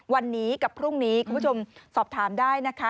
วันนี้กับพรุ่งนี้คุณผู้ชมสอบถามได้นะคะ